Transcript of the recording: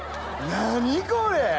何これ！